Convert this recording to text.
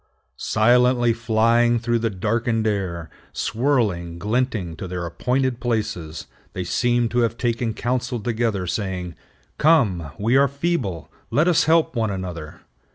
Silently flying through the darkened air, swirling, glinting, to their appointed places, they seem to have taken counsel together, saying, "Come, we are feeble; let us help one another.